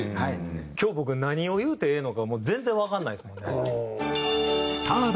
今日僕何を言うてええのかもう全然わかんないですもんね。